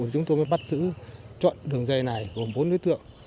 chúng tôi mới bắt giữ chọn đường dây này gồm bốn đối tượng